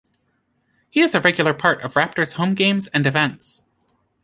He is a regular part of Raptors home games and events.